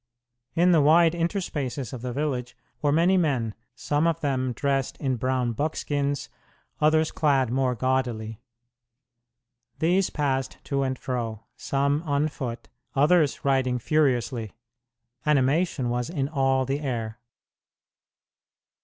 In the wide interspaces of the village were many men, some of them dressed in brown buckskins, others clad more gaudily. These passed to and fro, some on foot, others riding furiously. Animation was in all the air.